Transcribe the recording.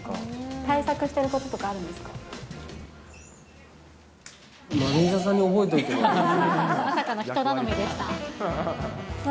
対策してることとかあるんですか。